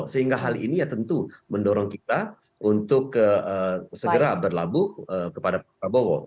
sehingga hal ini ya tentu mendorong kita untuk segera berlabuh kepada pak prabowo